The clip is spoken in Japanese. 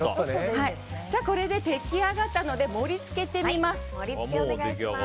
これで出来上がったので盛り付けてみます。